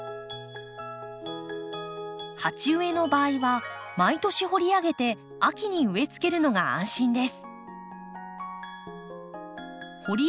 鉢植えの場合は毎年掘り上げて秋に植えつけるのが安心です。